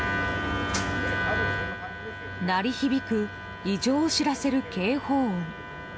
鳴り響く異常を知らせる警報音。